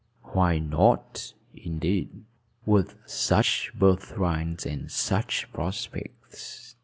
Why not, indeed, with such birthrights and such prospects?